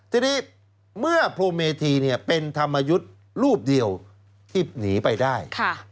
ทีนี้เมื่อพรมเมธีเป็นธรรมยุทธ์รูปเดียวที่หนีไปได้